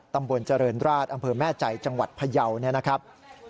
ตำบลเจริญราชอำเภอแม่ใจจังหวัดพยาวเนี่ยนะครับ